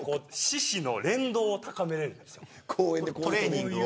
四肢の連動を高めるんです。